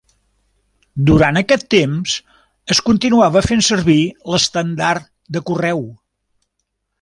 Durant aquest temps, es continuava fent servir l'estàndard de correu.